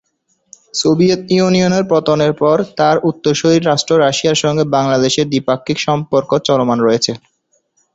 Soviet ইউনিয়নের পতনের পর তার উত্তরসূরি রাষ্ট্র রাশিয়ার সঙ্গে বাংলাদেশের দ্বিপাক্ষিক সম্পর্ক চলমান রয়েছে।